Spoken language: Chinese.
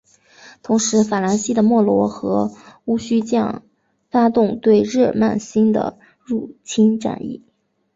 同时法兰西的莫罗和喔戌将发动对日耳曼新的入侵战役。